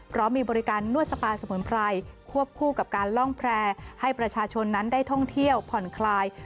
เพราะมีบริการนวดสปาสมุนไพรควบคู่กับการล่องแพร่ให้ประชาชนนั้นได้ท่องเที่ยวผ่อนคลาย